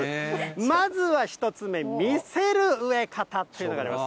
まずは１つ目、魅せる植え方っていうのがあります。